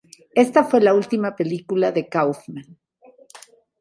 Esta fue la última película de Kaufman.